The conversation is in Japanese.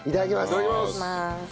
いただきます。